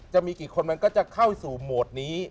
จะมีกี่คนมันก็จะเข้าสู่โหมดนี้